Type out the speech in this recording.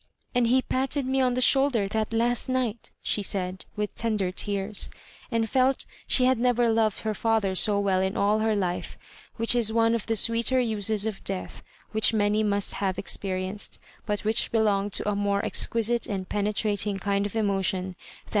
'^ And he patted me on the shoulder that last night, '^ she said, with tender tears ; and felt she had never loved her father so well in all her life — which is one of the sweeter uses of death which many must have experienced, but which belonged to a more exquisite and penetrating kind of emo tion than.